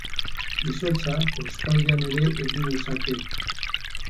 Izotza, kostaldean ere, egin lezake.